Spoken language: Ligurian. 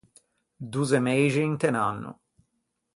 Dozze meixi inte un anno.